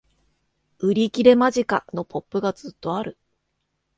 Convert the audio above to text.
売り切れ間近！のポップがずっとある